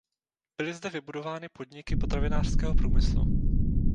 Byly zde vybudovány podniky potravinářského průmyslu.